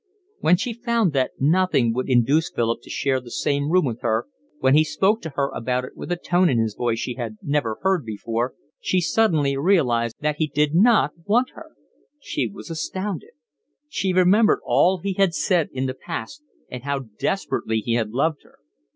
When she found that nothing would induce Philip to share the same room with her, when he spoke to her about it with a tone in his voice she had never heard before, she suddenly realised that he did not want her. She was astounded. She remembered all he had said in the past and how desperately he had loved her.